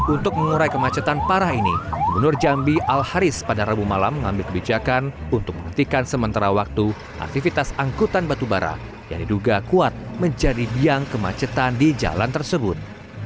untuk mengurai kemacetan parah ini gubernur jambi al haris pada rabu malam mengambil kebijakan untuk menghentikan sementara waktu aktivitas angkutan batubara yang diduga kuat menjadi biang kemacetan di jalan tersebut